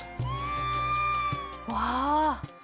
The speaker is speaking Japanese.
うわ！